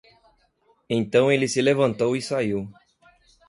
Então ele se levantou e saiu.